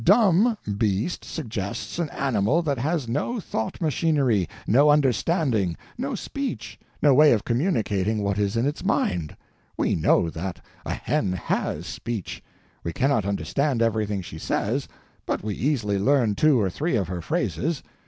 "Dumb" beast suggests an animal that has no thought machinery, no understanding, no speech, no way of communicating what is in its mind. We know that a hen _has _speech. We cannot understand everything she says, but we easily learn two or three of her phrases.